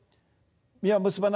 実は結ばないよ。